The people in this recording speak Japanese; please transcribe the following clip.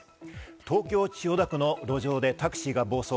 東京・千代田区の路上でタクシーが暴走。